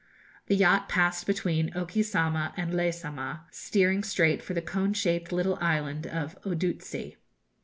The yacht passed between Oki Sama and Le Sama, steering straight for the cone shaped little island of Odutsi.